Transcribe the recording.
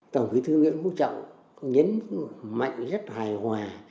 tổng quý thư nguyễn quốc trọng nhấn mạnh rất hài hòa